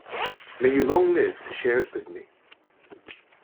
May you long live to share it with me!